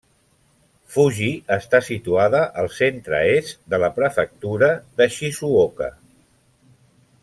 Fuji està situada al centre-est de la prefectura de Shizuoka.